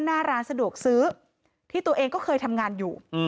หน้าร้านสะดวกซื้อที่ตัวเองก็เคยทำงานอยู่